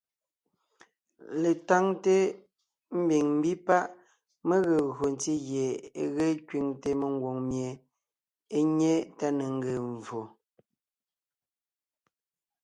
Letáŋte ḿbiŋ ḿbí páʼ mé gee gÿo ntí gie e ge kẅiŋte mengwòŋ mie é nyé tá ne ńgee mvfò.